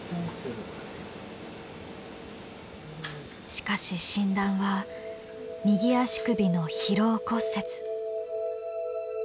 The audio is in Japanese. しかし診断は右足首の疲労骨折。